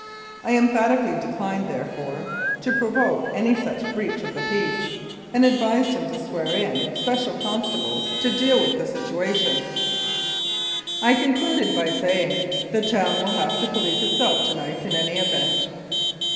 I emphatically declined, therefore, to provoke any such breach of the peace, and advised him to swear in special constables to deal with 2; Mounted Police Life in Canada the situation. I concluded by saying, "The town will have to police itself to night in any event.